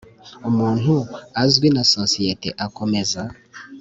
umuntu azwi na sosiyete akomeza